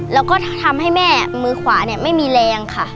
แล้วก็ทำให้แม่มือขวาเนี่ยไม่มีแรงค่ะ